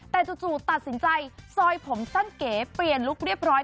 แต่จู่ตัดสินใจซอยผมสั้นเก๋เปลี่ยนลุคเรียบร้อย